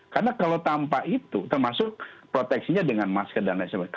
karena kalau tanpa itu termasuk proteksinya dengan masker dan lain sebagainya